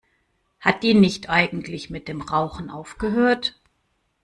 Hat die nicht eigentlich mit dem Rauchen aufgehört?